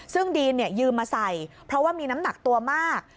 ซึ่งดีนยืมมาใส่เพราะว่ามีน้ำหนักตัวมาก